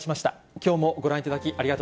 きょうもご覧いただき、ありがと